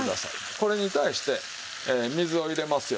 これに対して水を入れますよ。